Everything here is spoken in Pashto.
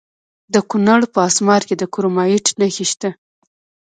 د کونړ په اسمار کې د کرومایټ نښې شته.